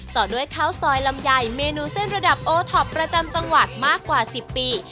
ต่อด้วยข้าวซอยลำไยเมนูเส้นระดับโอท็อปประจำจังหวัดมากกว่า๑๐ปี